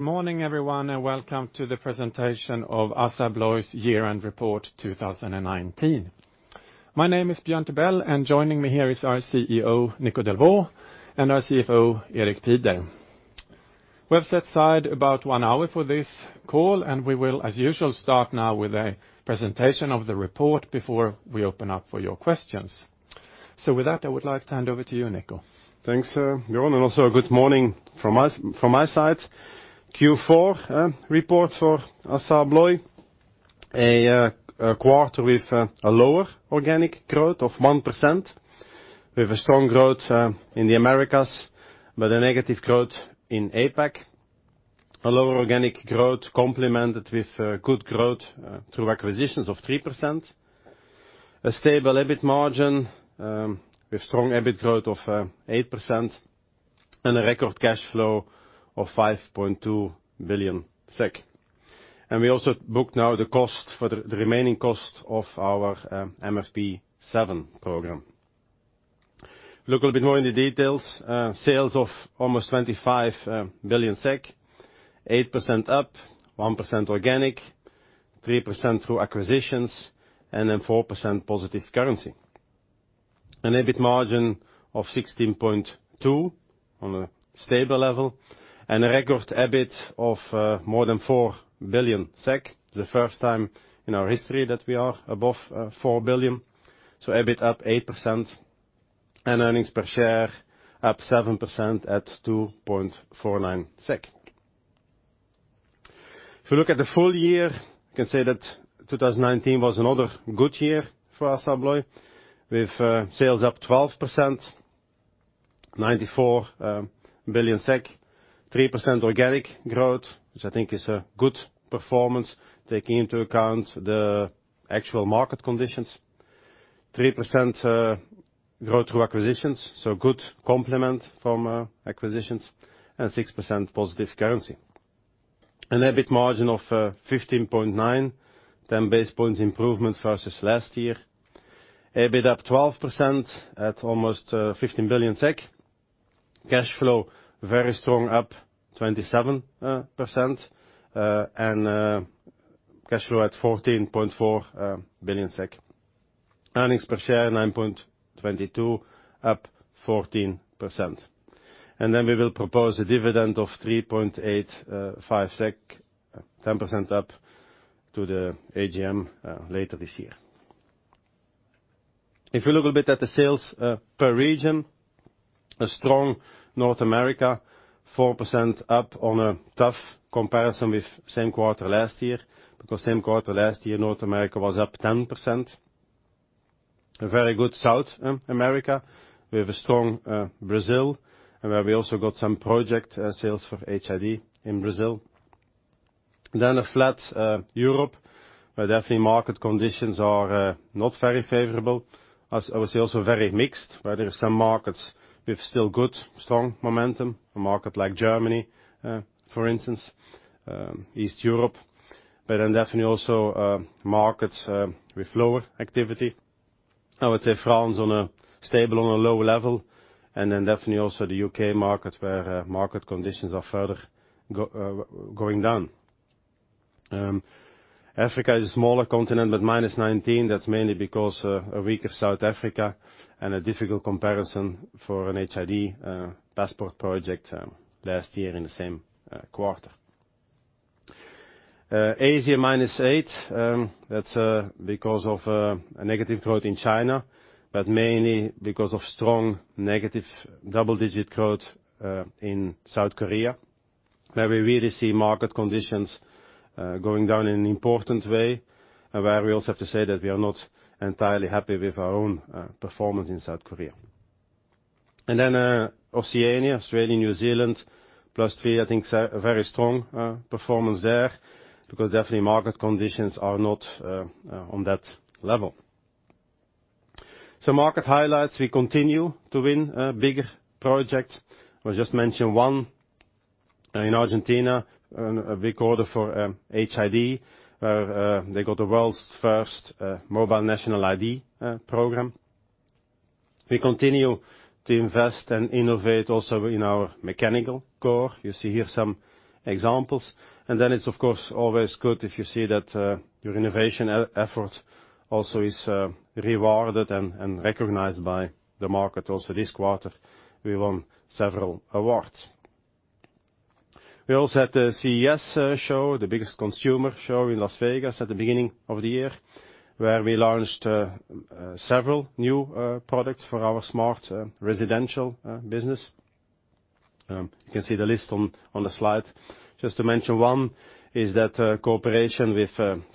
Morning everyone, welcome to the presentation of ASSA ABLOY's year-end report 2019. My name is Björn Tibell, and joining me here is our CEO, Nico Delvaux, and our CFO, Erik Pieder. We have set aside about one hour for this call, and we will, as usual, start now with a presentation of the report before we open up for your questions. With that, I would like to hand over to you, Nico. Thanks, Björn, and also good morning from my side. Q4 report for ASSA ABLOY, a quarter with a lower organic growth of 1% with a strong growth in the Americas, but a negative growth in APAC. A lower organic growth complemented with good growth through acquisitions of 3%. A stable EBIT margin with strong EBIT growth of 8% and a record cash flow of 5.2 billion SEK. We also booked now the remaining cost of our MFP 7 program. Look a little bit more in the details. Sales of almost 25 billion SEK, 8% up, 1% organic, 3% through acquisitions, and then 4% positive currency. An EBIT margin of 16.2% on a stable level and a record EBIT of more than 4 billion SEK, the first time in our history that we are above 4 billion. EBIT up 8% and earnings per share up 7% at 2.49 SEK. If you look at the full year, you can say that 2019 was another good year for ASSA ABLOY with sales up 12%, 94 billion SEK, 3% organic growth, which I think is a good performance taking into account the actual market conditions. 3% growth through acquisitions, so good complement from acquisitions and 6% positive currency. An EBIT margin of 15.9%, 10 basis points improvement versus last year. EBIT up 12% at almost 15 billion SEK. Cash flow very strong, up 27%, and cash flow at 14.4 billion SEK. Earnings per share 9.22, up 14%. We will propose a dividend of 3.85 SEK, 10% up to the AGM later this year. If you look a bit at the sales per region, a strong North America, 4% up on a tough comparison with same quarter last year, because same quarter last year, North America was up 10%. A very good South America with a strong Brazil, where we also got some project sales for HID in Brazil. A flat Europe, where definitely market conditions are not very favorable. I would say also very mixed, where there are some markets with still good, strong momentum. A market like Germany, for instance, East Europe, definitely also markets with lower activity. I would say France on a stable or a low level, definitely also the U.K. market where market conditions are further going down. Africa is a smaller continent with -19%. That's mainly because a weaker South Africa and a difficult comparison for an HID passport project last year in the same quarter. Asia, -8%. That's because of a negative growth in China, mainly because of strong negative double-digit growth in South Korea, where we really see market conditions going down in an important way and where we also have to say that we are not entirely happy with our own performance in South Korea. Oceania, Australia, New Zealand, +3%, I think very strong performance there because definitely market conditions are not on that level. Market highlights, we continue to win bigger projects. I will just mention one in Argentina, a big order for HID, where they got the world's first mobile national ID program. We continue to invest and innovate also in our mechanical core. You see here some examples, and then it's of course always good if you see that your innovation effort also is rewarded and recognized by the market. Also this quarter, we won several awards. We also had the CES, the biggest consumer show in Las Vegas at the beginning of the year, where we launched several new products for our Smart Residential business. You can see the list on the slide. Just to mention one is that cooperation with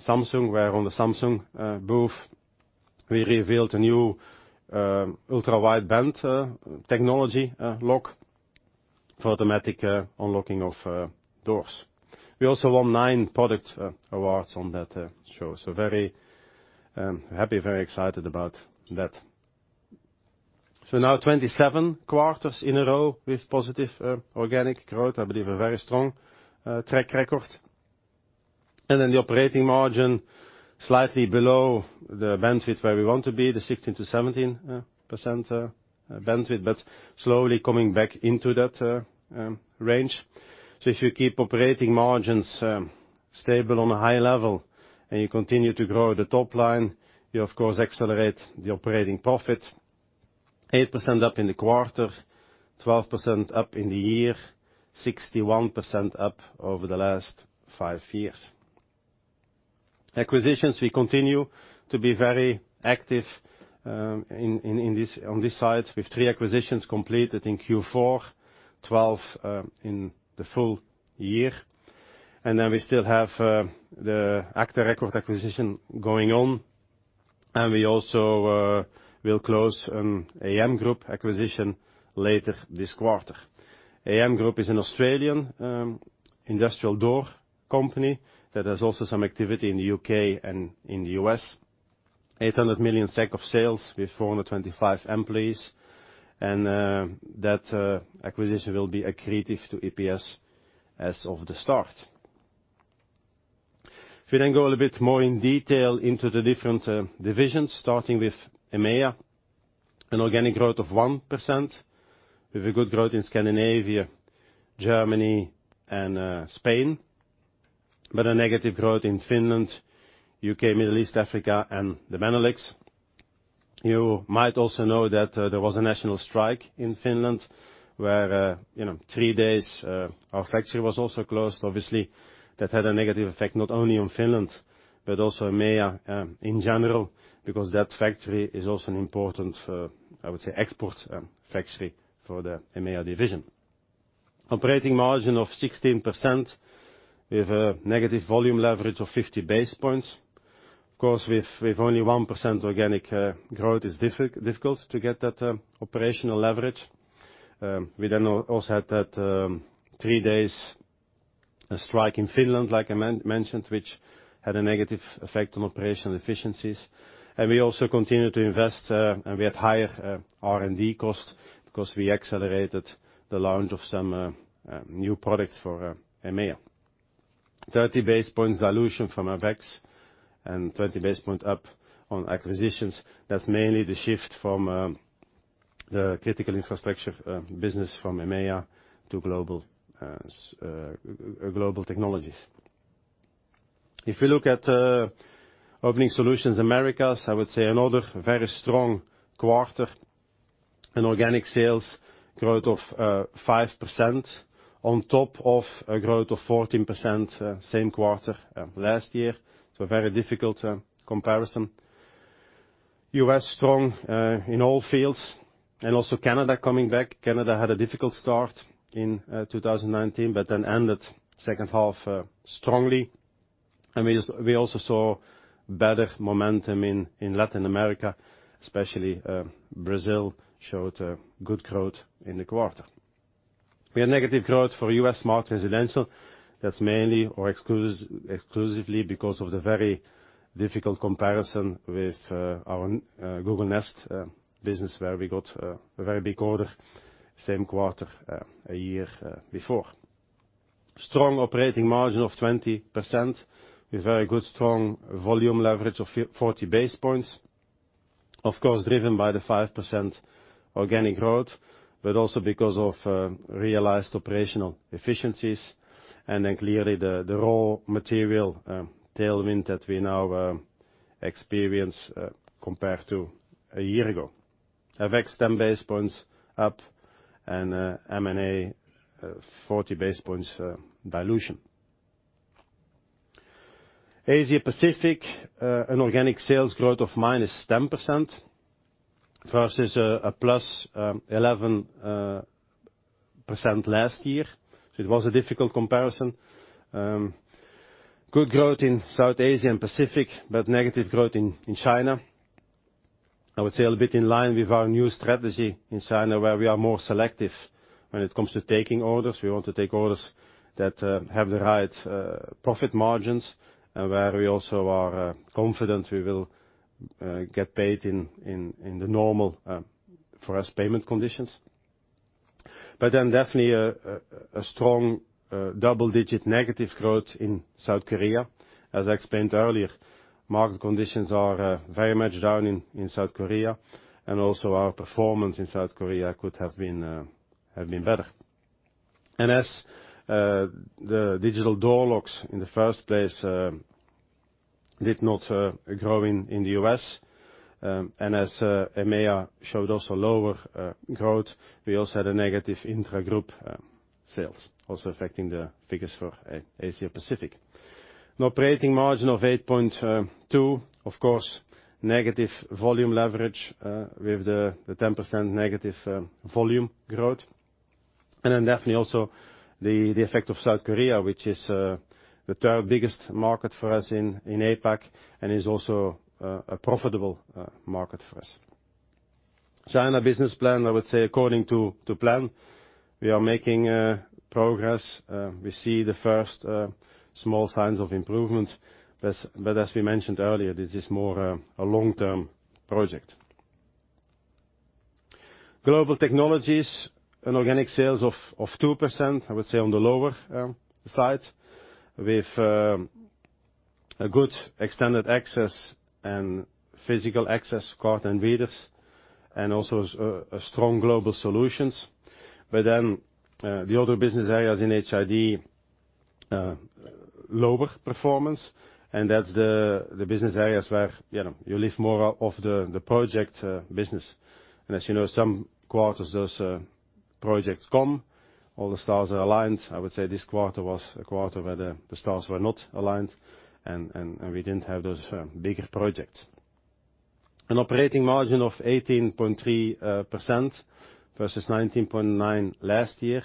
Samsung, where on the Samsung booth we revealed a new Ultra-wideband technology lock for automatic unlocking of doors. We also won nine product awards on that show. Very happy, very excited about that. Now 27 quarters in a row with positive organic growth, I believe a very strong track record. Then the operating margin, slightly below the bandwidth where we want to be, the 16%-17% bandwidth, but slowly coming back into that range. If you keep operating margins stable on a high level and you continue to grow the top line, you of course accelerate the operating profit 8% up in the quarter, 12% up in the year, 61% up over the last five years. Acquisitions, we continue to be very active on this side with three acquisitions completed in Q4, 12 in the full year. Then we still have the agta record acquisition going on. We also will close AM Group acquisition later this quarter. AM Group is an Australian industrial door company that has also some activity in the U.K. and in the U.S. 800 million SEK of sales with 425 employees. That acquisition will be accretive to EPS as of the start. If you go a little bit more in detail into the different divisions, starting with EMEA, an organic growth of 1% with a good growth in Scandinavia, Germany, and Spain, but a negative growth in Finland, U.K., Middle East, Africa, and the Benelux. You might also know that there was a national strike in Finland where three days our factory was also closed. Obviously, that had a negative effect not only on Finland but also EMEA in general, because that factory is also an important, I would say, export factory for the EMEA division. Operating margin of 16% with a negative volume leverage of 50 basis points. Of course, with only 1% organic growth, it's difficult to get that operational leverage. We then also had that three days strike in Finland, like I mentioned, which had a negative effect on operational efficiencies. We also continued to invest, and we had higher R&D costs because we accelerated the launch of some new products for EMEA. 30 basis points dilution from FX and 30 basis point up on acquisitions. That's mainly the shift from the critical infrastructure business from EMEA to Global Technologies. If you look at Opening Solutions Americas, I would say another very strong quarter and organic sales growth of 5% on top of a growth of 14% same quarter last year. A very difficult comparison. U.S. strong in all fields and also Canada coming back. Canada had a difficult start in 2019, but then ended second half strongly. We also saw better momentum in Latin America, especially Brazil showed a good growth in the quarter. We had negative growth for U.S. Smart Residential. That's mainly or exclusively because of the very difficult comparison with our Google Nest business where we got a very big order same quarter a year before. Strong operating margin of 20% with very good strong volume leverage of 40 basis points, of course, driven by the 5% organic growth, but also because of realized operational efficiencies and then clearly the raw material tailwind that we now experience compared to a year ago. FX 10 basis points up and M&A 40 basis points dilution. Asia Pacific, an organic sales growth of -10% versus a +11% last year. It was a difficult comparison. Good growth in South Asia and Pacific, but negative growth in China. I would say a little bit in line with our new strategy in China where we are more selective when it comes to taking orders. We want to take orders that have the right profit margins and where we also are confident we will get paid in the normal for us payment conditions. Definitely a strong double-digit negative growth in South Korea. As I explained earlier, market conditions are very much down in South Korea, and also our performance in South Korea could have been better. As the digital door locks in the first place did not grow in the U.S., and as EMEA showed also lower growth, we also had a negative intragroup sales, also affecting the figures for Asia Pacific. An operating margin of 8.2%, of course, negative volume leverage with the 10% negative volume growth. Definitely also the effect of South Korea, which is the third biggest market for us in APAC and is also a profitable market for us. China business plan, I would say according to plan. We are making progress. We see the first small signs of improvement, but as we mentioned earlier, this is more a long-term project. Global Technologies and organic sales of 2%, I would say on the lower side, with a good extended access and physical access card and readers, and also a strong Global Solutions. The other business areas in HID, lower performance, and that's the business areas where you live more of the project business. As you know, some quarters those projects come, all the stars are aligned. I would say this quarter was a quarter where the stars were not aligned, and we didn't have those bigger projects. An operating margin of 18.3% versus 19.9% last year.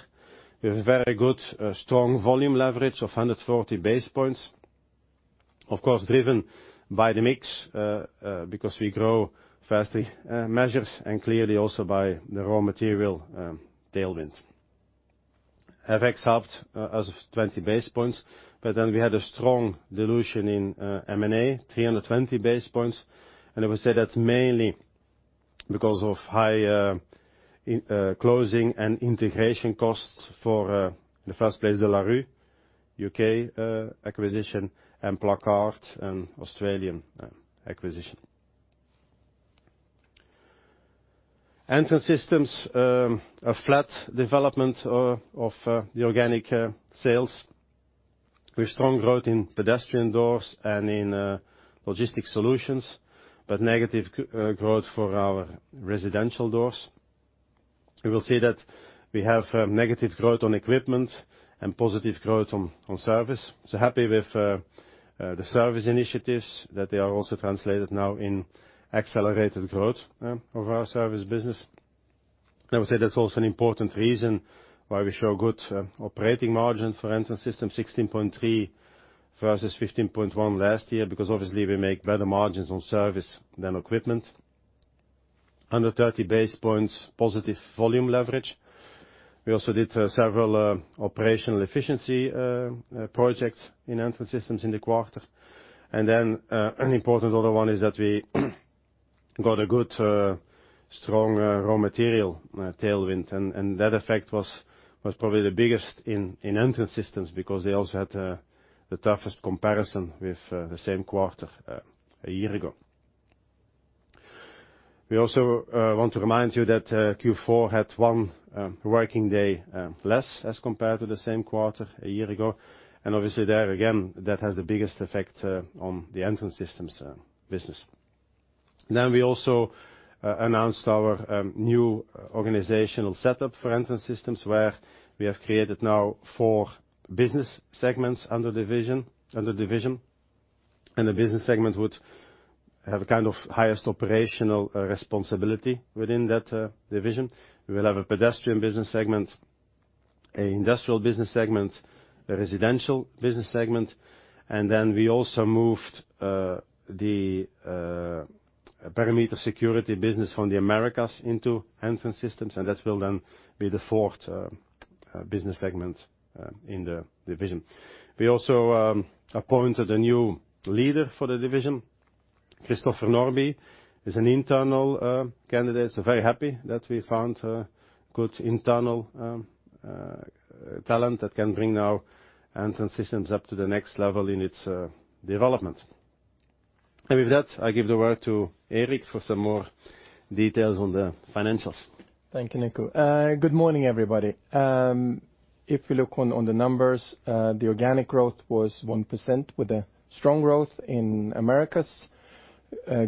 We have very good, strong volume leverage of 140 basis points. Of course, driven by the mix, because we grow faster measures and clearly also by the raw material tailwinds. FX helped us 20 basis points, but then we had a strong dilution in M&A, 320 basis points. I would say that's mainly because of high closing and integration costs for, in the first place, the De La Rue UK acquisition and Placard and Australian acquisition. Entrance Systems, a flat development of the organic sales with strong growth in Pedestrian doors and in logistic solutions, but negative growth for our Residential doors. You will see that we have negative growth on equipment and positive growth on service. Happy with the service initiatives, that they are also translated now in accelerated growth of our service business. I would say that's also an important reason why we show good operating margin for Entrance Systems, 16.3% versus 15.1% last year, because obviously we make better margins on service than equipment. Under 30 basis points positive volume leverage. We also did several operational efficiency projects in Entrance Systems in the quarter. An important other one is that we got a good, strong raw material tailwind, and that effect was probably the biggest in Entrance Systems because they also had the toughest comparison with the same quarter a year ago. We also want to remind you that Q4 had one working day less as compared to the same quarter a year ago. Obviously there again, that has the biggest effect on the Entrance Systems business. We also announced our new organizational setup for Entrance Systems, where we have created now four business segments under division, and the business segment would have highest operational responsibility within that division. We will have a Pedestrian business segment, a Industrial business segment, a Residential business segment, and then we also moved the Perimeter Security business from the Americas into Entrance Systems, and that will then be the fourth business segment in the division. We also appointed a new leader for the division. Christopher Norbye is an internal candidate, so very happy that we found a good internal talent that can bring our Entrance Systems up to the next level in its development. With that, I give the word to Erik Pieder for some more details on the financials. Thank you, Nico. Good morning, everybody. If we look on the numbers, the organic growth was 1% with a strong growth in Americas,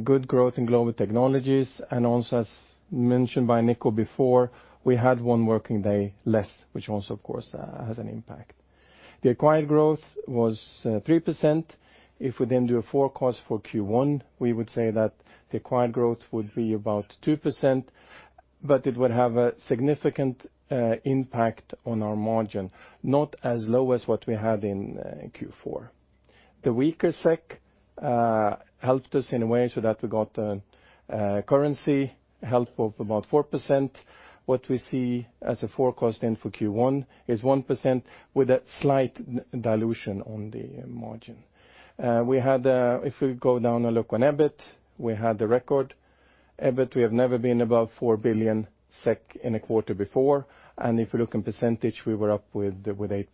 good growth in Global Technologies, and also as mentioned by Nico before, we had one working day less, which also of course, has an impact. The acquired growth was 3%. If we then do a forecast for Q1, we would say that the acquired growth would be about 2%, but it would have a significant impact on our margin, not as low as what we had in Q4. The weaker SEK helped us in a way so that we got a currency help of about 4%. What we see as a forecast then for Q1 is 1% with a slight dilution on the margin. If we go down and look on EBIT, we had the record EBIT. We have never been above 4 billion SEK in a quarter before. If you look in percentage, we were up with 8%.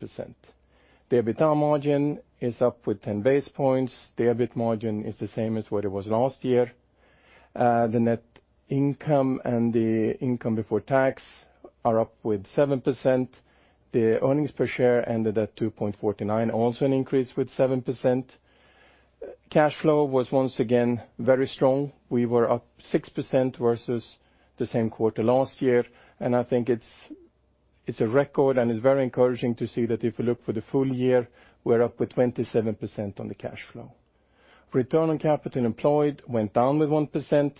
The EBITDA margin is up with 10 basis points. The EBIT margin is the same as what it was last year. The net income and the income before tax are up with 7%. The earnings per share ended at 2.49, also an increase with 7%. Cash flow was once again very strong. We were up 6% versus the same quarter last year, and I think it's a record and it's very encouraging to see that if you look for the full year, we're up with 27% on the cash flow. Return on capital employed went down with 1%,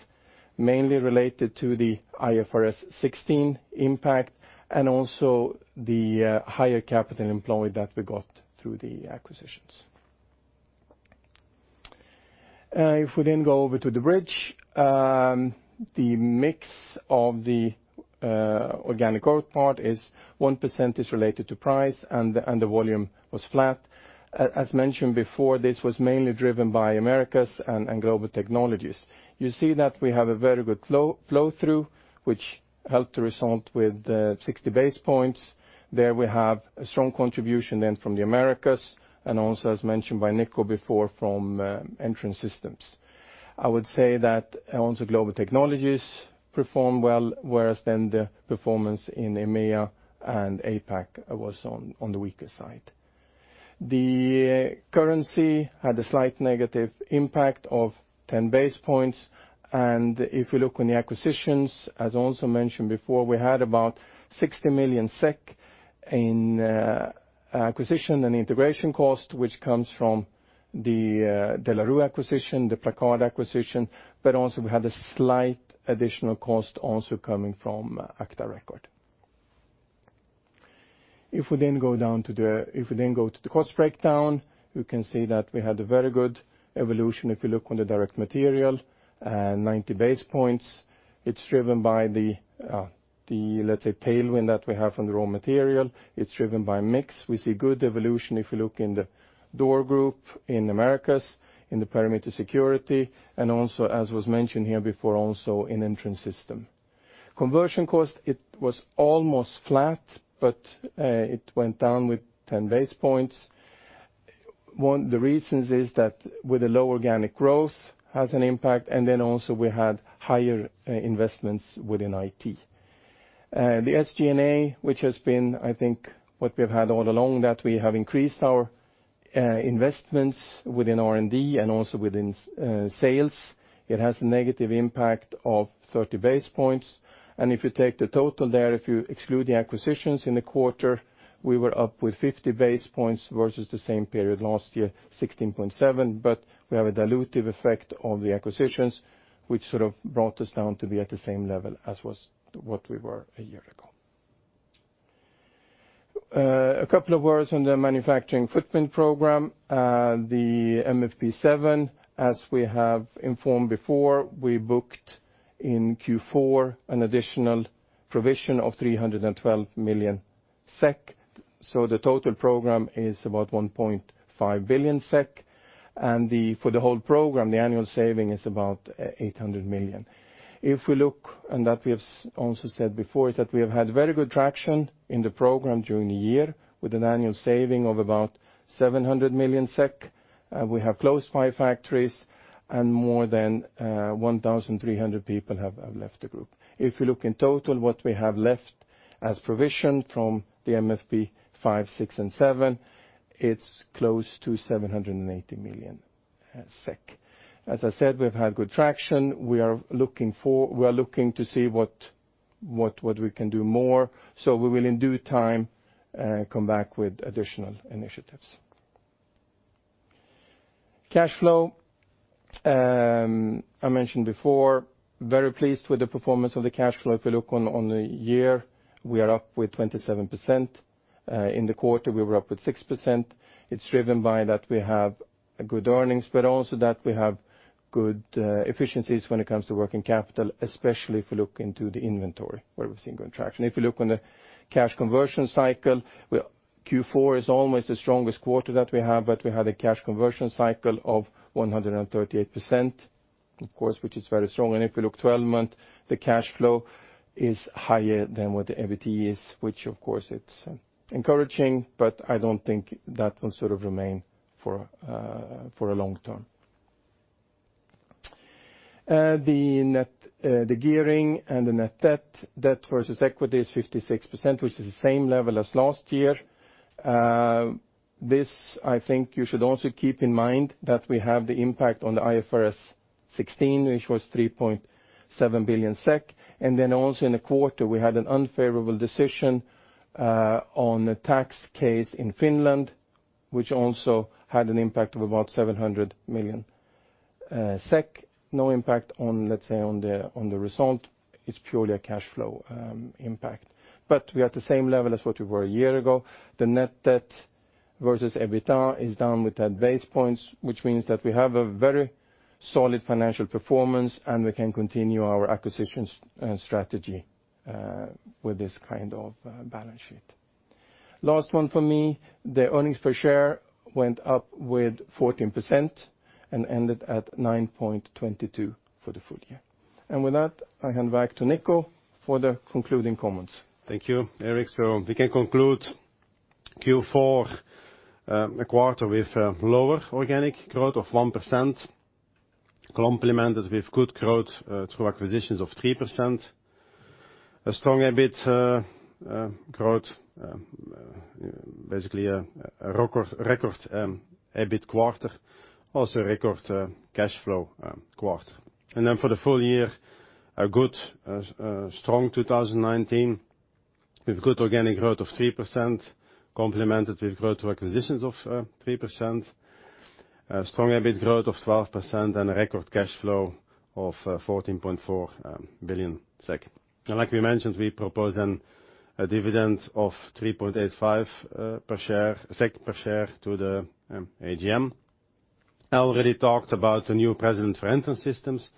mainly related to the IFRS 16 impact and also the higher capital employed that we got through the acquisitions. If we then go over to the bridge, the mix of the organic growth part is 1% is related to price, and the volume was flat. As mentioned before, this was mainly driven by Americas and Global Technologies. You see that we have a very good flow-through, which helped the result with 60 basis points. There we have a strong contribution then from the Americas, and also as mentioned by Nico before, from Entrance Systems. I would say that also Global Technologies performed well, whereas then the performance in EMEA and APAC was on the weaker side. The currency had a slight negative impact of 10 basis points, and if we look on the acquisitions, as also mentioned before, we had about 60 million SEK in acquisition and integration cost, which comes from the De La Rue acquisition, the Placard acquisition, but also we had a slight additional cost also coming from agta record. If we then go to the cost breakdown, you can see that we had a very good evolution if you look on the direct material, 90 basis points. It's driven by the tailwind that we have on the raw material. It's driven by mix. We see good evolution if you look in the door group in Americas, in the Perimeter Security, and also, as was mentioned here before, also in Entrance Systems. Conversion cost, it was almost flat, but it went down with 10 basis points. One of the reasons is that with a low organic growth has an impact, then also we had higher investments within IT. The SG&A, which has been, I think, what we've had all along, that we have increased our investments within R&D and also within sales. It has a negative impact of 30 basis points. If you take the total there, if you exclude the acquisitions in the quarter, we were up with 50 basis points versus the same period last year, 16.7, but we have a dilutive effect of the acquisitions, which sort of brought us down to be at the same level as was what we were a year ago. A couple of words on the Manufacturing Footprint Program, the MFP 7. As we have informed before, we booked in Q4 an additional provision of 312 million SEK. The total program is about 1.5 billion SEK, and for the whole program, the annual saving is about 800 million. If we look, and that we have also said before, is that we have had very good traction in the program during the year with an annual saving of about 700 million SEK. We have closed five factories, and more than 1,300 people have left the group. If you look in total, what we have left as provision from the MFP 5, 6 and 7, it's close to 780 million SEK. As I said, we've had good traction. We are looking to see what we can do more. We will in due time come back with additional initiatives. Cash flow. I mentioned before, very pleased with the performance of the cash flow. If you look on the year, we are up with 27%. In the quarter, we were up with 6%. It's driven by that we have good earnings, also that we have good efficiencies when it comes to working capital, especially if you look into the inventory where we've seen good traction. If you look on the cash conversion cycle, Q4 is almost the strongest quarter that we have. We had a cash conversion cycle of 138%, of course, which is very strong. If you look 12-month, the cash flow is higher than what the EBIT is, which, of course, it's encouraging. I don't think that will remain for long-term. The gearing and the net debt versus equity is 56%, which is the same level as last year. This, I think you should also keep in mind that we have the impact on the IFRS 16, which was 3.7 billion SEK. Then also in the quarter, we had an unfavorable decision on a tax case in Finland, which also had an impact of about 700 million SEK. No impact on, let's say, the result. It's purely a cash flow impact. We are at the same level as what we were a year ago. The net debt versus EBITDA is down with 10 basis points, which means that we have a very solid financial performance, and we can continue our acquisitions strategy with this kind of balance sheet. Last one for me, the earnings per share went up with 14% and ended at 9.22 for the full year. With that, I hand back to Nico for the concluding comments. Thank you, Erik. We can conclude Q4, a quarter with lower organic growth of 1%, complemented with good growth through acquisitions of 3%. A strong EBIT growth, basically a record EBIT quarter, also a record cash flow quarter. For the full year, a good, strong 2019 with good organic growth of 3%, complemented with growth acquisitions of 3%, a strong EBIT growth of 12%, and a record cash flow of 14.4 billion SEK. Like we mentioned, we propose then a dividend of 3.85 per share to the AGM. I already talked about a new president for Entrance Systems.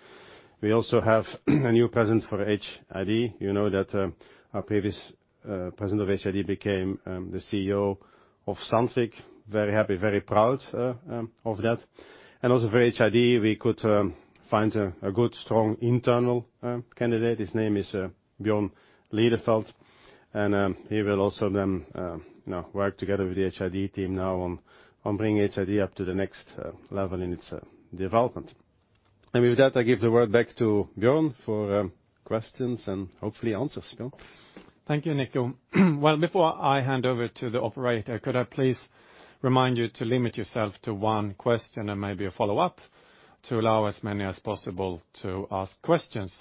We also have a new president for HID. You know that our previous president of HID became the CEO of Sandvik. Very happy, very proud of that. Also for HID, we could find a good strong internal candidate. His name is Björn Lidefelt, and he will also then work together with the HID team now on bringing HID up to the next level in its development. With that, I give the word back to Björn for questions and hopefully answers. Björn? Thank you, Nico. Well, before I hand over to the operator, could I please remind you to limit yourself to one question and maybe a follow-up to allow as many as possible to ask questions.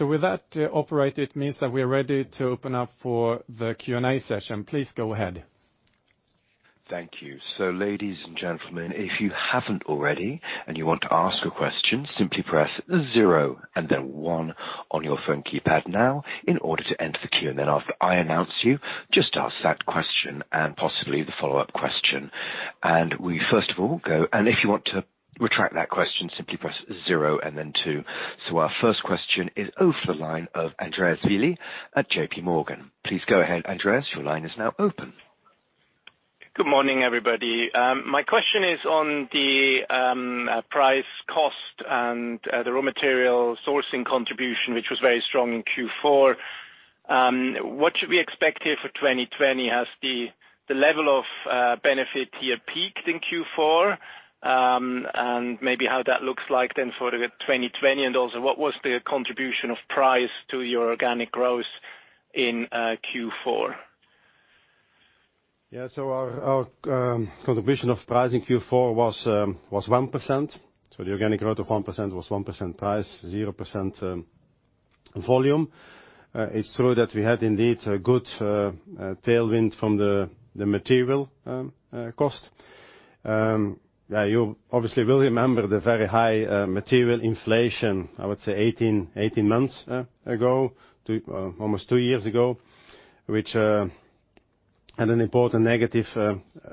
With that, operator, it means that we are ready to open up for the Q&A session. Please go ahead. Thank you. Ladies and gentlemen, if you haven't already and you want to ask a question, simply press zero and then one on your phone keypad now in order to enter the queue. Then after I announce you, just ask that question and possibly the follow-up question. If you want to retract that question, simply press zero and then two. Our first question is over the line of Andreas Willi at JPMorgan. Please go ahead, Andreas, your line is now open. Good morning, everybody. My question is on the price, cost, and the raw material sourcing contribution, which was very strong in Q4. What should we expect here for 2020? Has the level of benefit here peaked in Q4? Maybe how that looks like then for the 2020? Also, what was the contribution of price to your organic growth in Q4? Our contribution of price in Q4 was 1%. The organic growth of 1% was 1% price, 0% volume. It's true that we had indeed a good tailwind from the material cost. You obviously will remember the very high material inflation, I would say 18 months ago, almost two years ago, which had an important negative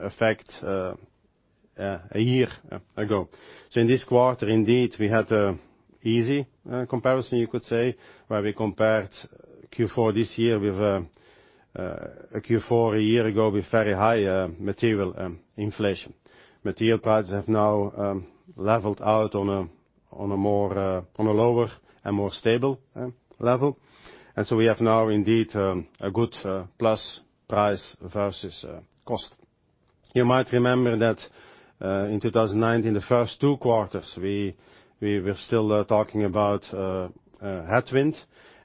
effect a year ago. In this quarter, indeed, we had easy comparison, you could say, where we compared Q4 this year with Q4 a year ago with very high material inflation. Material prices have now leveled out on a lower and more stable level. We have now indeed a good plus price versus cost. You might remember that in 2019, the first two quarters, we were still talking about headwind,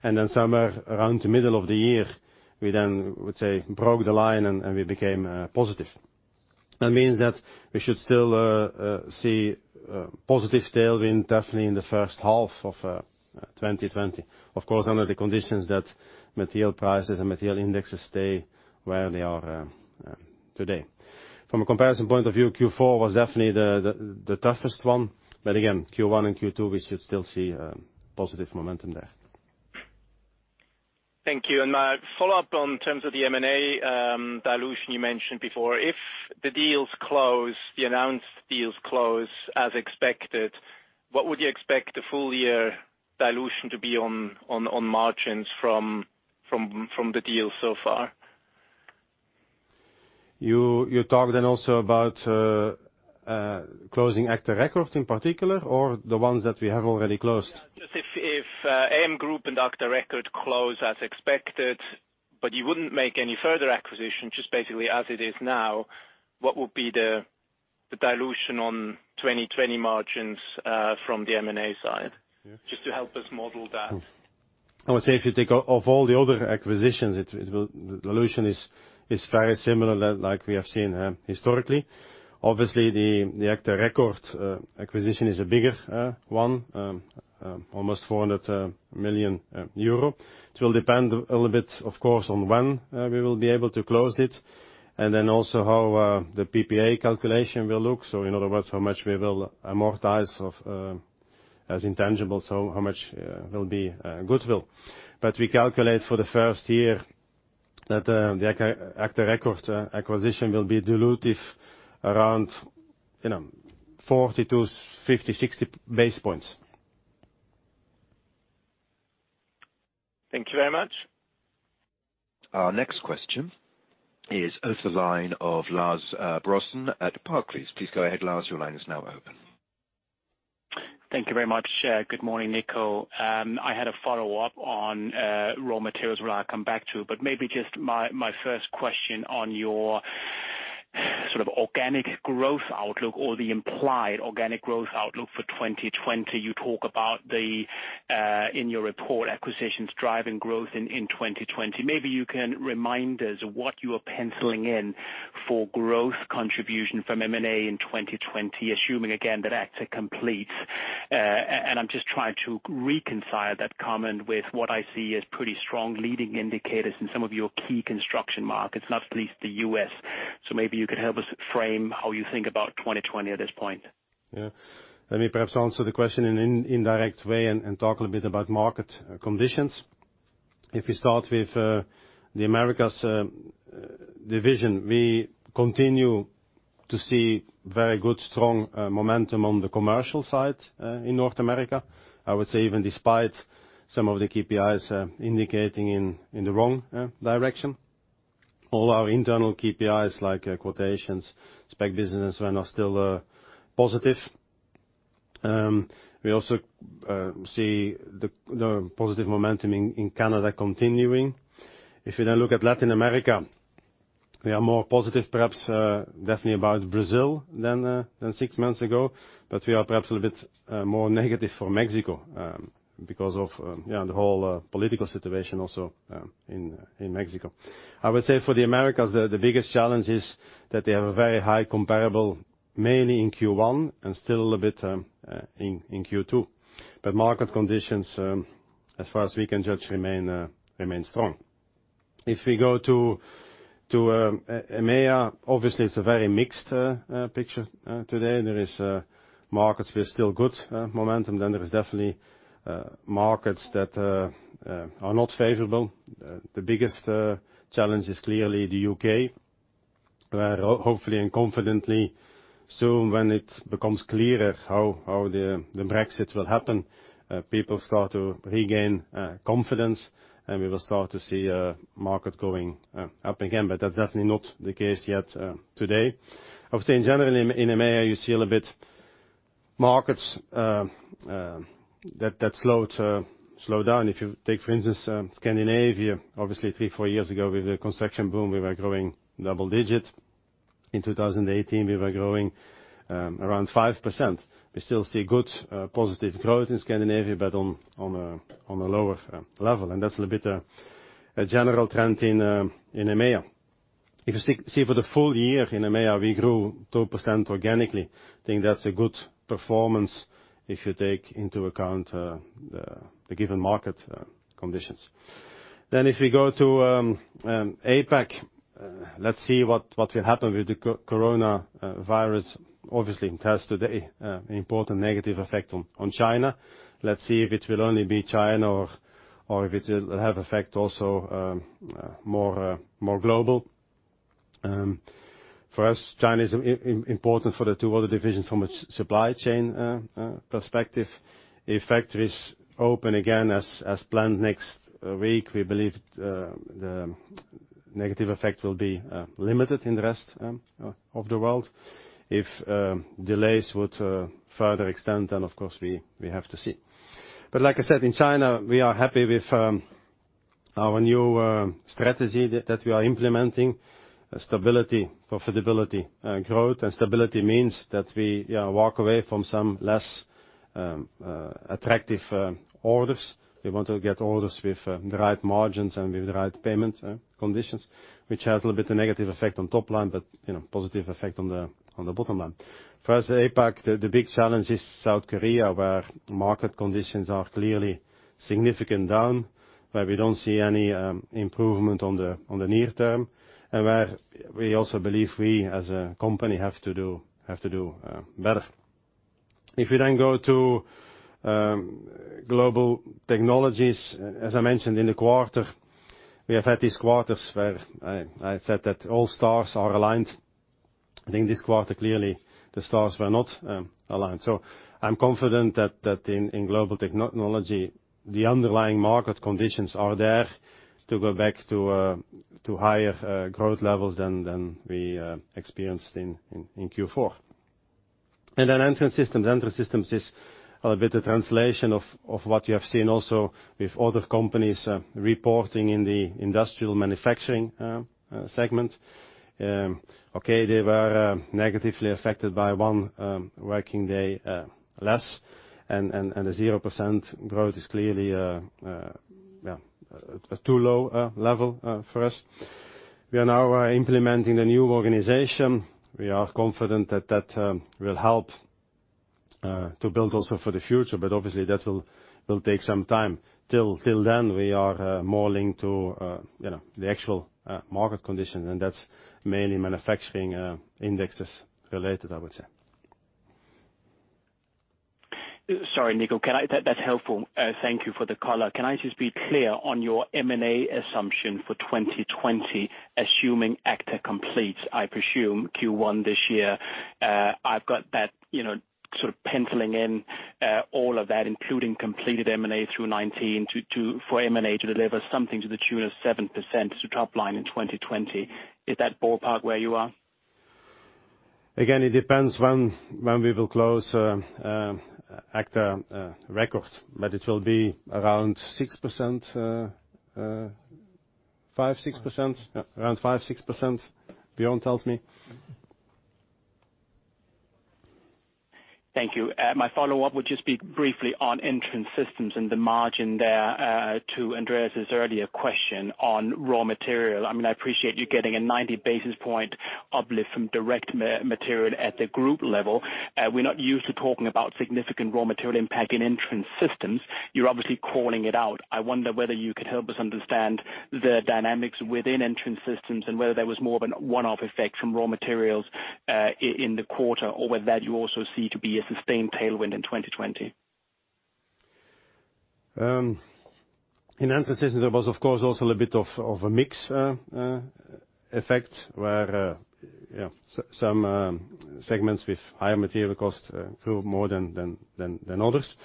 and then somewhere around the middle of the year, we then would say broke the line and we became positive. That means that we should still see positive tailwind definitely in the first half of 2020. Of course, under the conditions that material prices and material indexes stay where they are today. From a comparison point of view, Q4 was definitely the toughest one. Again, Q1 and Q2, we should still see a positive momentum there. Thank you. My follow-up on terms of the M&A dilution you mentioned before. If the deals close, the announced deals close as expected, what would you expect the full year dilution to be on margins from the deals so far? You talk then also about closing agta record in particular, or the ones that we have already closed? Just if AM Group and agta record close as expected, but you wouldn't make any further acquisition, just basically as it is now, what would be the dilution on 2020 margins from the M&A side? Yeah. Just to help us model that. I would say if you take off all the other acquisitions, the dilution is very similar like we have seen historically. Obviously, the agta record acquisition is a bigger one, almost 400 million euro. It will depend a little bit, of course, on when we will be able to close it, and then also how the PPA calculation will look. In other words, how much we will amortize as intangible, so how much will be goodwill. We calculate for the first year that the agta record acquisition will be dilutive around 40 to 50, 60 basis points. Thank you very much. Our next question is over the line of Lars Brorson at Barclays. Please go ahead, Lars, your line is now open. Thank you very much. Good morning, Nico. I had a follow-up on raw materials, where I'll come back to, but maybe just my first question on your sort of organic growth outlook or the implied organic growth outlook for 2020. You talk about, in your report, acquisitions driving growth in 2020. Maybe you can remind us what you are penciling in for growth contribution from M&A in 2020, assuming again that agta completes. I'm just trying to reconcile that comment with what I see as pretty strong leading indicators in some of your key construction markets, not least the U.S. So maybe you could help us frame how you think about 2020 at this point. Let me perhaps answer the question in indirect way and talk a little bit about market conditions. If we start with the Americas division, we continue to see very good, strong momentum on the commercial side in North America. I would say even despite some of the KPIs indicating in the wrong direction. All our internal KPIs like quotations, spec business are now still positive. We also see the positive momentum in Canada continuing. If you then look at Latin America, we are more positive, perhaps definitely about Brazil than six months ago, but we are perhaps a little bit more negative for Mexico, because of the whole political situation also in Mexico. I would say for the Americas, the biggest challenge is that they have a very high comparable, mainly in Q1 and still a bit in Q2. Market conditions, as far as we can judge, remain strong. If we go to EMEA, obviously it's a very mixed picture today. There is markets with still good momentum. There is definitely markets that are not favorable. The biggest challenge is clearly the U.K., where hopefully and confidently, soon when it becomes clearer how the Brexit will happen, people start to regain confidence and we will start to see market going up again. That's definitely not the case yet today. Obviously, in general, in EMEA, you see a little bit markets that slow down. If you take, for instance, Scandinavia, obviously three, four years ago with the construction boom, we were growing double digit. In 2018, we were growing around 5%. We still see good positive growth in Scandinavia, but on a lower level, and that's a little bit a general trend in EMEA. If you see for the full year in EMEA, we grew 2% organically. Think that's a good performance if you take into account the given market conditions. If we go to APAC, let's see what will happen with the coronavirus. Obviously, it has today important negative effect on China. Let's see if it will only be China or if it will have effect also more global. For us, China is important for the two other divisions from a supply chain perspective. If factories open again as planned next week, we believe the negative effect will be limited in the rest of the world. If delays would further extend, of course we have to see. Like I said, in China, we are happy with our new strategy that we are implementing. Stability, profitability, and growth. Stability means that we walk away from some less attractive orders. We want to get orders with the right margins and with the right payment conditions, which has a little bit of negative effect on top line, but positive effect on the bottom line. For us at APAC, the big challenge is South Korea, where market conditions are clearly significant down, where we don't see any improvement on the near term, and where we also believe we, as a company, have to do better. If you then go to Global Technologies, as I mentioned in the quarter, we have had these quarters where I said that all stars are aligned. I think this quarter, clearly, the stars were not aligned. I'm confident that in Global Technologies, the underlying market conditions are there to go back to higher growth levels than we experienced in Q4. Then Entrance Systems. Entrance Systems is a little bit of translation of what you have seen also with other companies reporting in the Industrial manufacturing segment. Okay, they were negatively affected by one working day less, and a 0% growth is clearly a too low level for us. We are now implementing the new organization. We are confident that that will help to build also for the future, but obviously that will take some time. Till then, we are more linked to the actual market condition, and that's mainly manufacturing indexes related, I would say. Sorry, Nico. That's helpful. Thank you for the color. Can I just be clear on your M&A assumption for 2020, assuming agta completes, I presume, Q1 this year? I've got that sort of penciling in all of that, including completed M&A through 2019, for M&A to deliver something to the tune of 7% to top line in 2020. Is that ballpark where you are? Again, it depends when we will close agta record, but it will be around 6%, 5%, 6%. Around 5%, 6%, Björn tells me. Thank you. My follow-up would just be briefly on Entrance Systems and the margin there to Andreas' earlier question on raw material. I appreciate you getting a 90 basis points uplift from direct material at the group level. We're not used to talking about significant raw material impact in Entrance Systems. You're obviously calling it out. I wonder whether you could help us understand the dynamics within Entrance Systems and whether there was more of an one-off effect from raw materials in the quarter, or whether that you also see to be a sustained tailwind in 2020? In Entrance Systems, there was of course also a little bit of a mix effect where some segments with higher material cost grew more than others.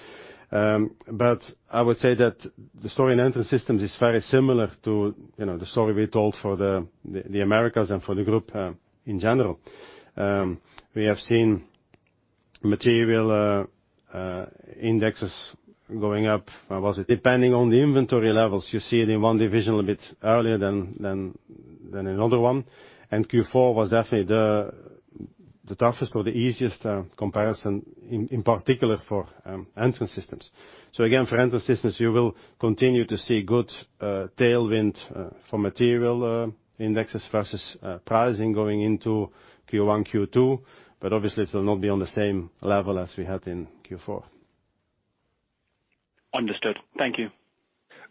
I would say that the story in Entrance Systems is very similar to the story we told for the Americas and for the group in general. We have seen material indexes going up. Depending on the inventory levels, you see it in one division a little bit earlier than another one. Q4 was definitely the toughest or the easiest comparison, in particular for Entrance Systems. Again, for Entrance Systems, you will continue to see good tailwind for material indexes versus pricing going into Q1, Q2. Obviously, it will not be on the same level as we had in Q4. Understood. Thank you.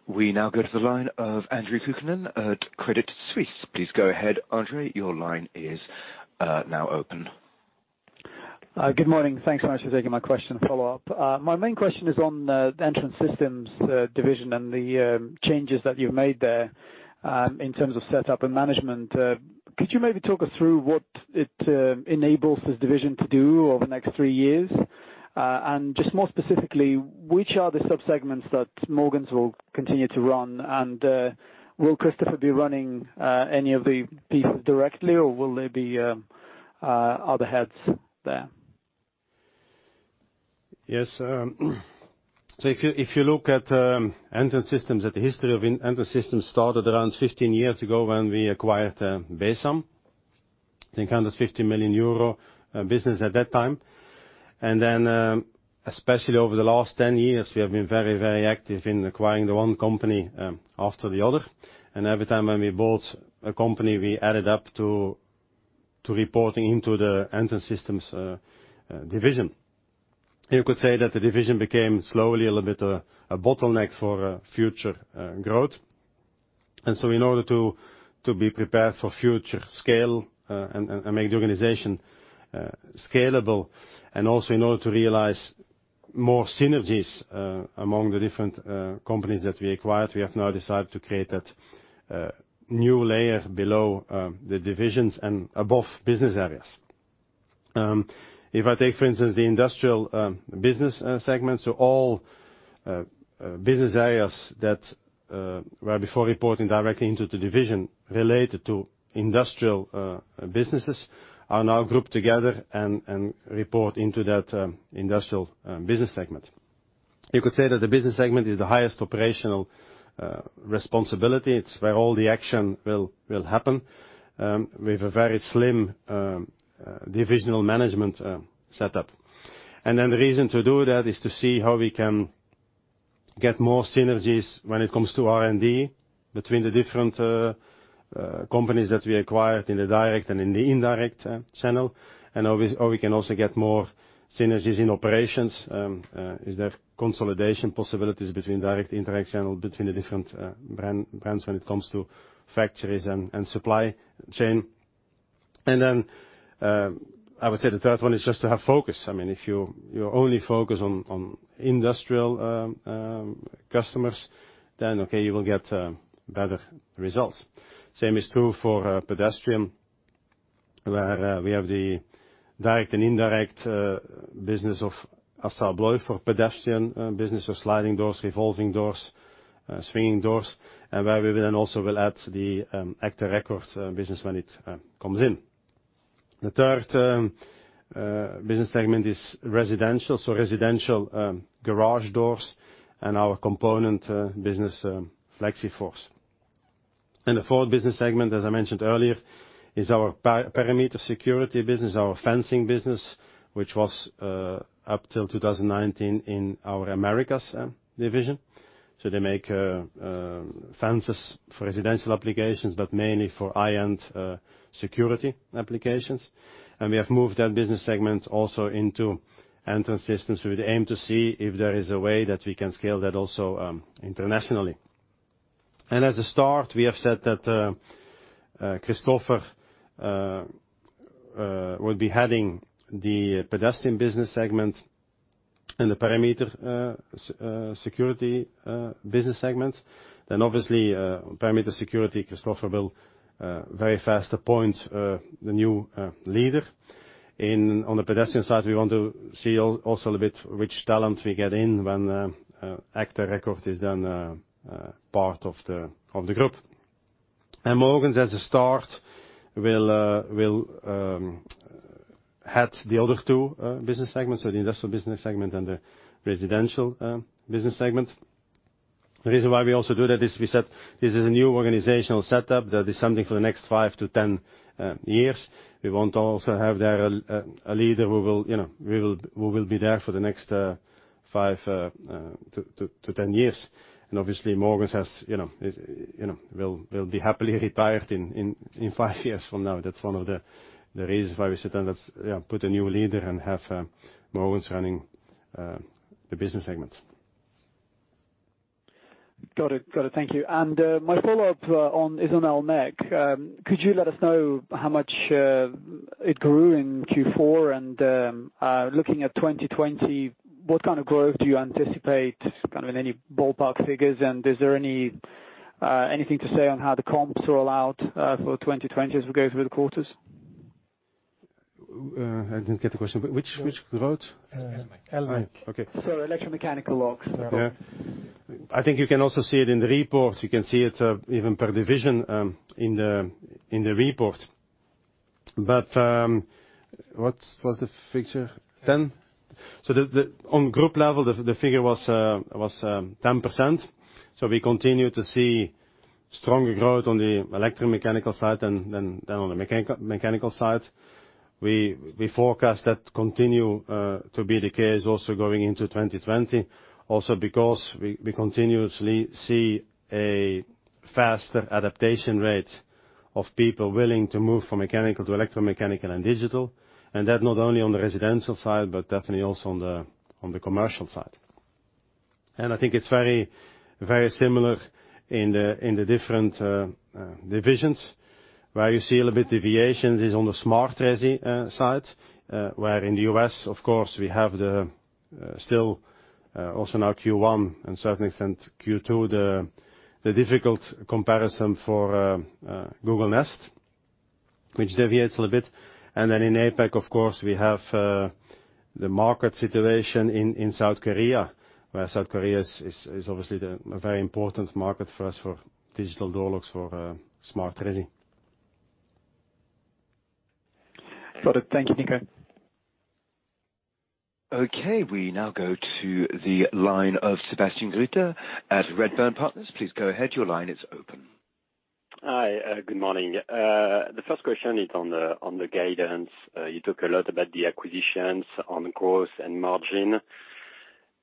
We now go to the line of Andre Kukhnin at Credit Suisse. Please go ahead, Andre. Your line is now open. Good morning. Thanks so much for taking my question and follow-up. My main question is on the Entrance Systems division and the changes that you've made there in terms of setup and management. Could you maybe talk us through what it enables this division to do over the next three years? Just more specifically, which are the sub-segments that Mogens will continue to run? And will Christopher be running any of the pieces directly, or will there be other heads there? If you look at Entrance Systems, at the history of Entrance Systems, started around 15 years ago when we acquired Besam. I think 150 million euro business at that time. Then, especially over the last 10 years, we have been very, very active in acquiring the one company after the other. Every time when we bought a company, we added up to reporting into the Entrance Systems division. You could say that the division became slowly a little bit a bottleneck for future growth. So in order to be prepared for future scale and make the organization scalable, in order to realize more synergies among the different companies that we acquired, we have now decided to create that new layer below the divisions and above business areas. If I take, for instance, the Industrial business segments or all business areas that were before reporting directly into the division related to Industrial businesses, are now grouped together and report into that Industrial business segment. You could say that the business segment is the highest operational responsibility. It's where all the action will happen, with a very slim divisional management setup. The reason to do that is to see how we can get more synergies when it comes to R&D between the different companies that we acquired in the direct and in the indirect channel. We can also get more synergies in operations. Is there consolidation possibilities between direct, indirect channel, between the different brands when it comes to factories and supply chain? I would say the third one is just to have focus. If you only focus on Industrial customers, then okay, you will get better results. Same is true for Pedestrian, where we have the direct and indirect business of ASSA ABLOY for Pedestrian business, so sliding doors, revolving doors, swinging doors, and where we will then also add the agta record business when it comes in. The third business segment is Residential, so Residential garage doors and our component business, FlexiForce. The fourth business segment, as I mentioned earlier, is our Perimeter Security business, our fencing business, which was up till 2019 in our Americas division. They make fences for Residential applications, but mainly for high-end security applications. We have moved that business segment also into Entrance Systems with the aim to see if there is a way that we can scale that also internationally. As a start, we have said that Christopher will be heading the Pedestrian business segment and the Perimeter Security business segment. Obviously, Perimeter Security, Christopher will very fast appoint the new leader. On the Pedestrian side, we want to see also a little bit which talent we get in when agta record is then part of the group. Mogens, as a start, will head the other two business segments or the Industrial business segment and the Residential business segment. The reason why we also do that is we said this is a new organizational setup that is something for the next 5 to 10 years. We want to also have there a leader who will be there for the next 5 to 10 years. Obviously, Mogens will be happily retired in five years from now. That's one of the reasons why we said put a new leader and have Mogens running the business segments. Got it. Thank you. My follow-up is on Elmech. Could you let us know how much it grew in Q4? Looking at 2020, what kind of growth do you anticipate, in any ballpark figures? Is there anything to say on how the comps roll out for 2020 as we go through the quarters? I didn't get the question. Which growth? Elmech. Electromechanical locks. Yeah. I think you can also see it in the reports. You can see it even per division in the report. What was the figure? 10? On group level, the figure was 10%. We continue to see stronger growth on the electromechanical side than on the mechanical side. We forecast that continue to be the case also going into 2020. Also because we continuously see a faster adaptation rate of people willing to move from mechanical to electromechanical and digital, and that not only on the Residential side, but definitely also on the commercial side. I think it's very similar in the different divisions. Where you see a little bit deviations is on the smart resi side, where in the U.S., of course, we have the still also now Q1 and certain extent Q2, the difficult comparison for Google Nest, which deviates a little bit. In APAC, of course, we have the market situation in South Korea, where South Korea is obviously a very important market for us for digital door locks, for smart resi. Got it. Thank you, Nico. Okay, we now go to the line of Sébastien Gruter at Redburn Partners. Please go ahead. Your line is open. Hi, good morning. The first question is on the guidance. You talk a lot about the acquisitions on growth and margin,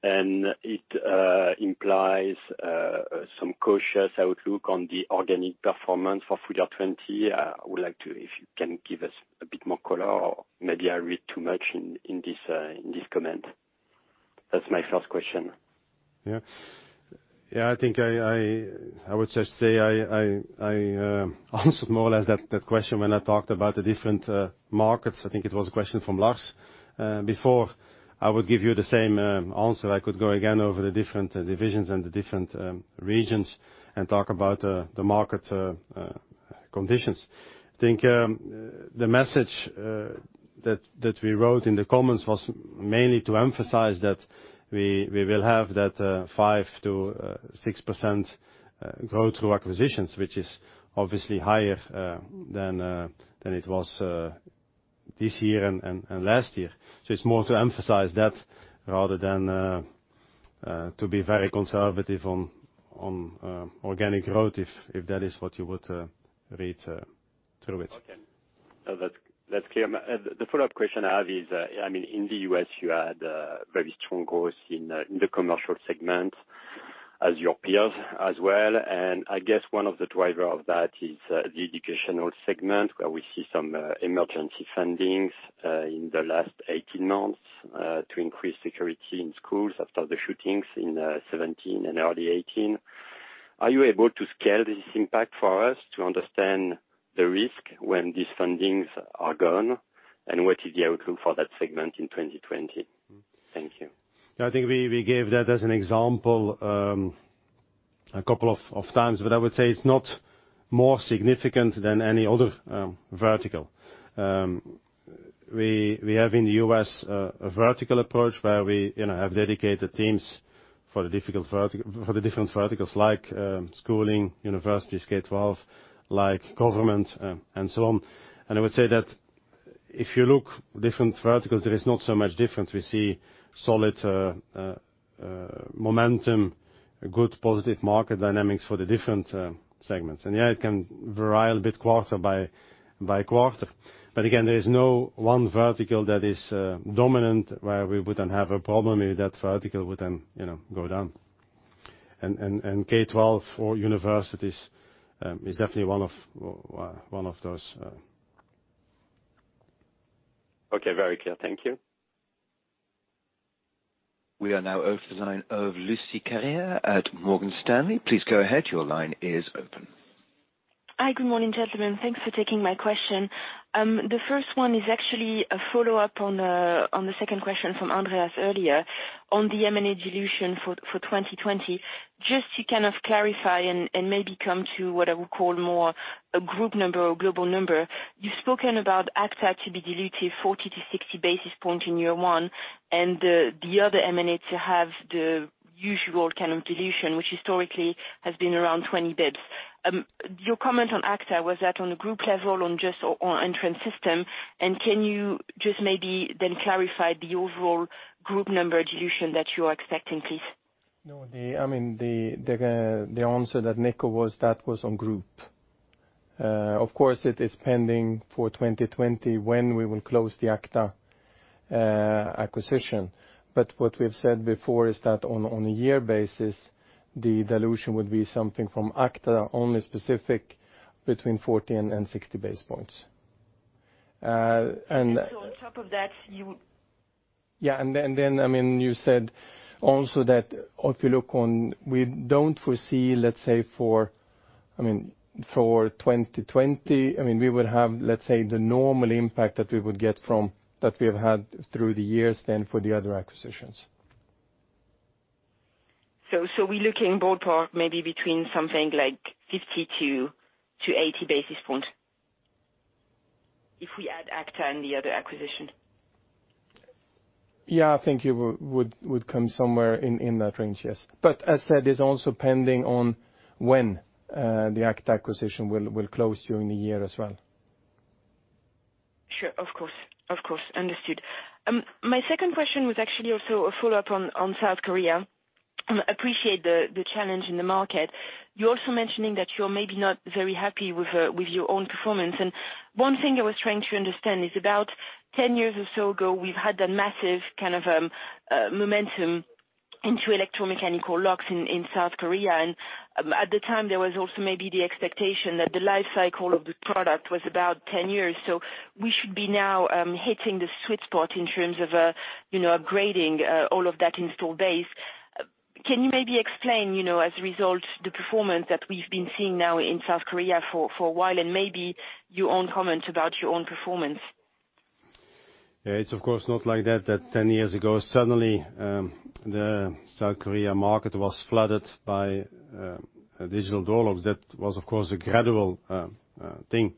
and it implies some cautious outlook on the organic performance for full year 2020. I would like to, if you can give us a bit more color or maybe I read too much in this comment. That's my first question. I think I would just say I answered more or less that question when I talked about the different markets. I think it was a question from Lars before. I would give you the same answer. I could go again over the different divisions and the different regions and talk about the market conditions. I think the message that we wrote in the comments was mainly to emphasize that we will have that 5%-6% growth through acquisitions, which is obviously higher than it was this year and last year. It's more to emphasize that rather than to be very conservative on organic growth, if that is what you would read through it. Okay. No, that's clear. The follow-up question I have is, in the U.S. you had a very strong growth in the commercial segment as your peers as well. I guess one of the driver of that is the educational segment, where we see some emergency fundings in the last 18 months, to increase security in schools after the shootings in 2017 and early 2018. Are you able to scale this impact for us to understand the risk when these fundings are gone? What is the outlook for that segment in 2020? Thank you. I think we gave that as an example a couple of times, but I would say it's not more significant than any other vertical. We have in the U.S. a vertical approach where we have dedicated teams for the different verticals like schooling, universities, K12, like government, and so on. I would say that if you look different verticals, there is not so much difference. We see solid momentum, good positive market dynamics for the different segments. Yeah, it can vary a little bit quarter by quarter. Again, there is no one vertical that is dominant where we wouldn't have a problem if that vertical would then go down. K12 or universities is definitely one of those. Okay, very clear. Thank you. We are now of the line of Lucie Carrier at Morgan Stanley. Please go ahead. Your line is open. Hi. Good morning, gentlemen. Thanks for taking my question. The first one is actually a follow-up on the second question from Andreas earlier on the M&A dilution for 2020. To kind of clarify and maybe come to what I would call more a group number or global number, you've spoken about agta to be dilutive 40-60 basis points in year one, the other M&As have the usual kind of dilution, which historically has been around 20 basis points. Your comment on agta, was that on a group level on just on Entrance Systems? Can you just maybe then clarify the overall group number dilution that you are expecting, please? No, the answer that Nico was, that was on group. Of course, it is pending for 2020 when we will close the agta acquisition. What we've said before is that on a year basis, the dilution would be something from agta only specific between 40 and 60 basis points. And so on top of that you- Yeah. You said also that if you look on, we don't foresee, let's say for 2020, we would have, let's say the normal impact that we would get from, that we have had through the years then for the other acquisitions. We're looking ballpark maybe between something like 50-80 basis points if we add agta and the other acquisition? Yeah, I think you would come somewhere in that range, yes. As said, it's also pending on when the agta acquisition will close during the year as well. Sure. Of course. Understood. My second question was actually also a follow-up on South Korea. Appreciate the challenge in the market. You're also mentioning that you're maybe not very happy with your own performance. One thing I was trying to understand is about 10 years or so ago, we've had a massive kind of momentum into electromechanical locks in South Korea. At the time, there was also maybe the expectation that the life cycle of the product was about 10 years. So we should be now hitting the sweet spot in terms of upgrading all of that installed base. Can you maybe explain, as a result, the performance that we've been seeing now in South Korea for a while and maybe your own comments about your own performance? Yeah, it's of course not like that 10 years ago, suddenly, the South Korea market was flooded by digital door locks. That was, of course, a gradual thing.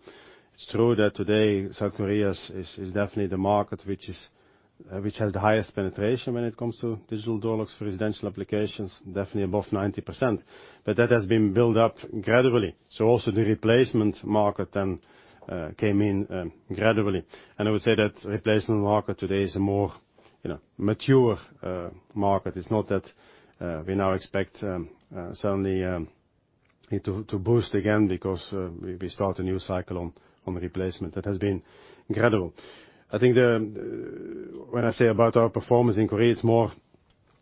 It's true that today South Korea is definitely the market which has the highest penetration when it comes to digital door locks for Residential applications, definitely above 90%, but that has been built up gradually. Also the replacement market then came in gradually. I would say that replacement market today is a more mature market. It's not that we now expect suddenly it to boost again because we start a new cycle on replacement. That has been gradual. I think when I say about our performance in Korea, it's more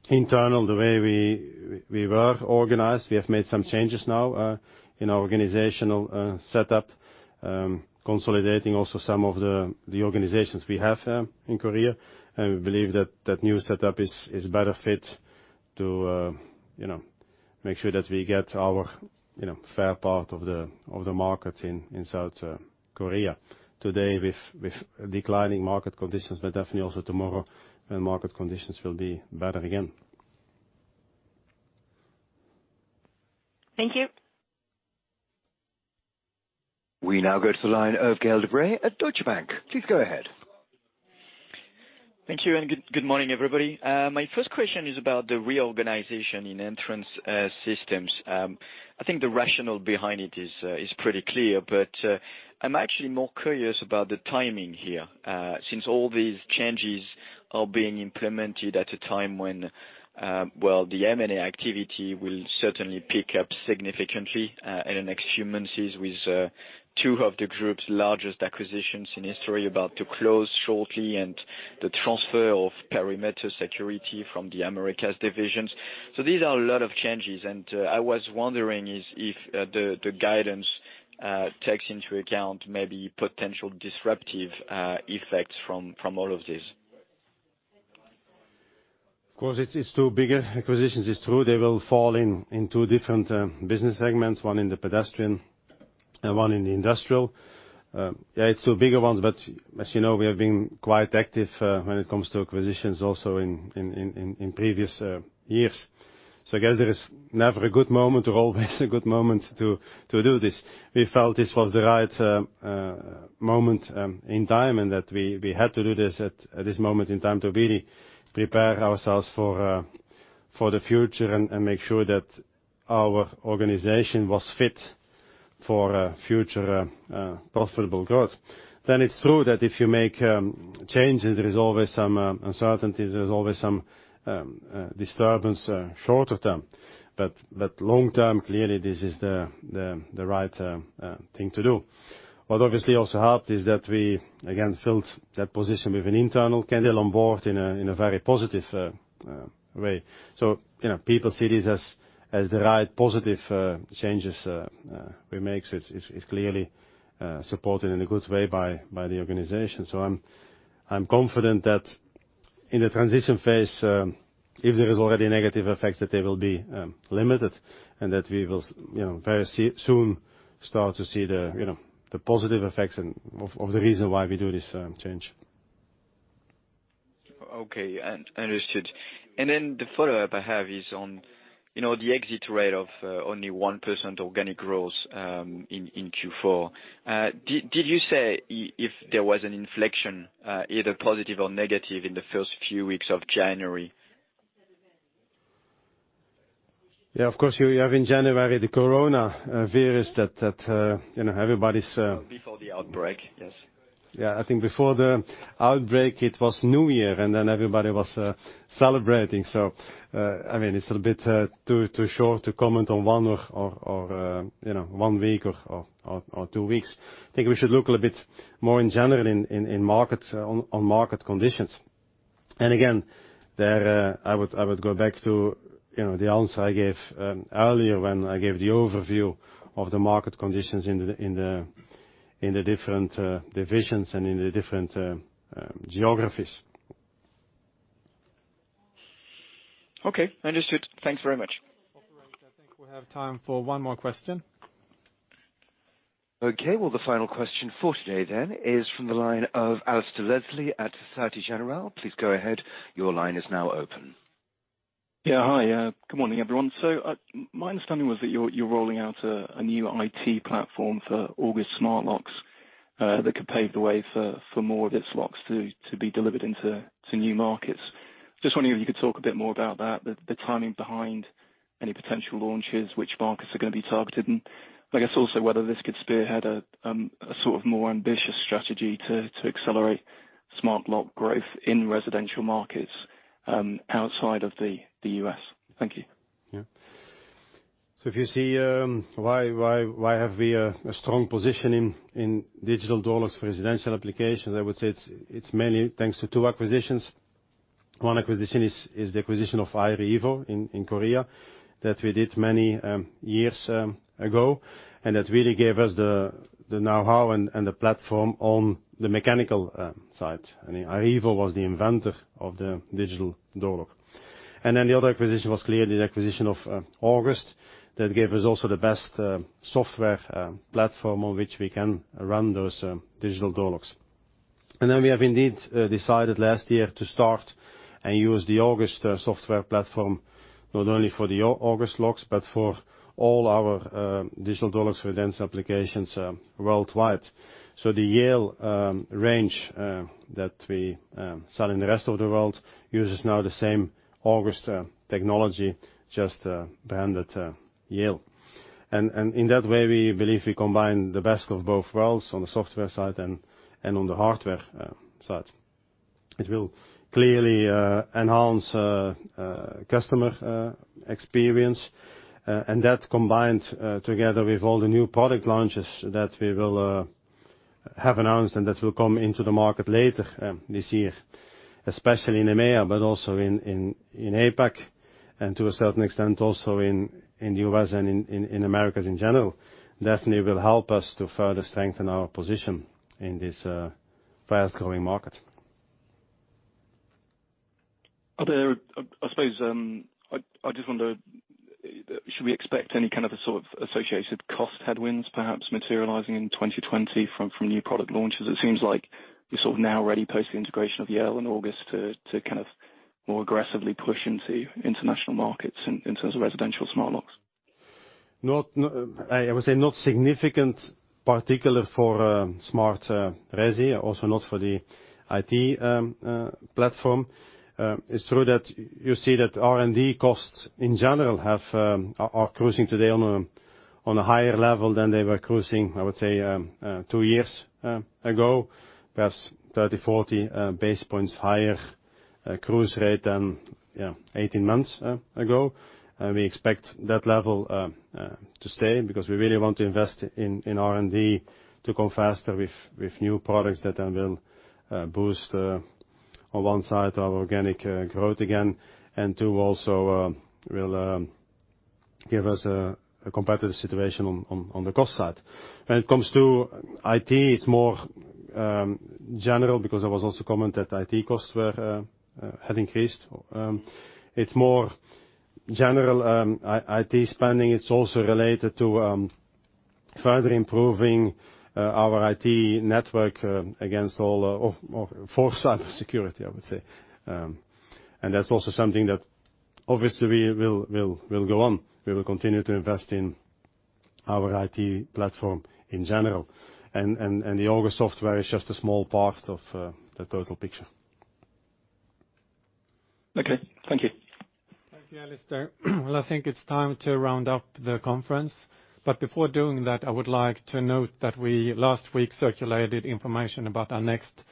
internal, the way we were organized. We have made some changes now in our organizational setup, consolidating also some of the organizations we have there in Korea. We believe that new setup is better fit to make sure that we get our fair part of the market in South Korea today with declining market conditions, but definitely also tomorrow market conditions will be better again. Thank you. We now go to the line of Gael de-Bray at Deutsche Bank. Please go ahead. Thank you, and good morning, everybody. My first question is about the reorganization in Entrance Systems. I think the rationale behind it is pretty clear, but I'm actually more curious about the timing here. Since all these changes are being implemented at a time when, well, the M&A activity will certainly pick up significantly in the next few months with two of the group's largest acquisitions in history about to close shortly and the transfer of Perimeter Security from the Americas divisions. These are a lot of changes, and I was wondering if the guidance takes into account maybe potential disruptive effects from all of this. Of course, it's two bigger acquisitions. It's true they will fall in two different business segments, one in the Pedestrian and one in the Industrial. Yeah, it's two bigger ones, but as you know, we have been quite active when it comes to acquisitions also in previous years. I guess there is never a good moment or always a good moment to do this. We felt this was the right moment in time, and that we had to do this at this moment in time to really prepare ourselves for the future and make sure that our organization was fit for future profitable growth. It's true that if you make changes, there is always some uncertainty. There's always some disturbance shorter term, but long term, clearly, this is the right thing to do. What obviously also helped is that we again filled that position with an internal candidate on board in a very positive way. People see this as the right positive changes we make. It's clearly supported in a good way by the organization. I'm confident that in the transition phase, if there is already negative effects, that they will be limited and that we will very soon start to see the positive effects of the reason why we do this change. Okay. Understood. The follow-up I have is on the exit rate of only 1% organic growth in Q4. Did you say if there was an inflection, either positive or negative in the first few weeks of January? Yeah, of course, you have in January the coronavirus. Before the outbreak, yes. Yeah, I think before the outbreak it was New Year, and then everybody was celebrating. It's a bit too short to comment on one week or two weeks. I think we should look a little bit more in general on market conditions. I would go back to the answer I gave earlier when I gave the overview of the market conditions in the different divisions and in the different geographies. Okay, understood. Thanks very much. Operator, I think we have time for one more question. Okay. Well, the final question for today then is from the line of Alasdair Leslie at Société Générale. Please go ahead. Your line is now open. Hi. Good morning, everyone. My understanding was that you're rolling out a new IT platform for August smart locks that could pave the way for more of its locks to be delivered into new markets. Just wondering if you could talk a bit more about that, the timing behind any potential launches, which markets are going to be targeted, and I guess also whether this could spearhead a sort of more ambitious strategy to accelerate smart lock growth in Residential markets, outside of the U.S. Thank you. If you see why have we a strong position in digital door locks for Residential applications? I would say it's mainly thanks to two acquisitions. One acquisition is the acquisition of iRevo in Korea that we did many years ago, that really gave us the know-how and the platform on the mechanical side. iRevo was the inventor of the digital door lock. The other acquisition was clearly the acquisition of August. That gave us also the best software platform on which we can run those digital door locks. We have indeed decided last year to start and use the August software platform, not only for the August locks, but for all our digital door locks residence applications worldwide. The Yale range that we sell in the rest of the world uses now the same August technology, just branded Yale. In that way, we believe we combine the best of both worlds on the software side and on the hardware side. It will clearly enhance customer experience, and that combined together with all the new product launches that we will have announced, and that will come into the market later this year, especially in EMEA, but also in APAC, and to a certain extent, also in U.S. and in Americas in general, definitely will help us to further strengthen our position in this fast-growing market. I suppose, I just wonder, should we expect any kind of associated cost headwinds, perhaps materializing in 2020 from new product launches? It seems like you're sort of now ready post the integration of Yale and August to kind of more aggressively push into international markets in terms of Residential smart locks. I would say not significant, particularly for smart resi, also not for the IT platform. It's true that you see that R&D costs in general are cruising today on a higher level than they were cruising, I would say, two years ago. Perhaps 30, 40 basis points higher cruise rate than 18 months ago. We expect that level to stay because we really want to invest in R&D to go faster with new products that then will boost on one side, our organic growth again, and two, also will give us a competitive situation on the cost side. When it comes to IT, it's more general because there was also comment that IT costs had increased. It's more general IT spending. It's also related to further improving our IT network for cybersecurity, I would say. That's also something that obviously will go on. We will continue to invest in our IT platform in general. The August software is just a small part of the total picture. Okay. Thank you. Thank you, Alasdair. I think it's time to round up the conference, but before doing that, I would like to note that we last week circulated information about our next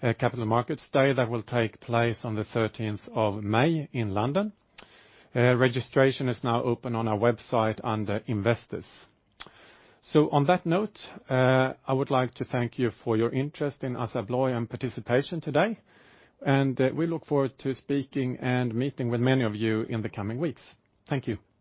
capital markets day that will take place on the 13 of May in London. Registration is now open on our website under Investors. On that note, I would like to thank you for your interest in ASSA ABLOY and participation today, and we look forward to speaking and meeting with many of you in the coming weeks. Thank you.